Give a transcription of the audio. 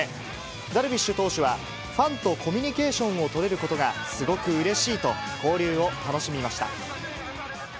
ダルビッシュ投手は、ファンとコミュニケーションを取れることがすごくうれしいと、交流を楽しみました。